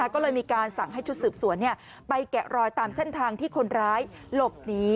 ก็เลยมีการสั่งให้ชุดสืบสวนไปแกะรอยตามเส้นทางที่คนร้ายหลบหนี